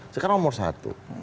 sekarang nomor satu